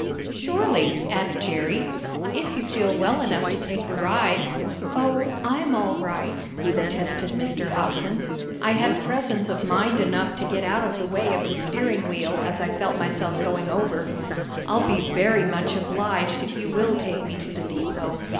"Surely!" added Jerry. "If you feel well enough to take the ride." "Oh, I'm all right!" protested Mr. Hobson. "I had presence of mind enough to get out of the way of the steering wheel as I felt myself going over. I'll be very much obliged if you will take me to the depot.